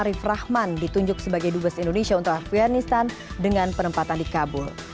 arif rahman ditunjuk sebagai dubes indonesia untuk afganistan dengan penempatan di kabul